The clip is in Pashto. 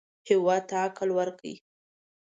هېواد ته عقل ورکړئ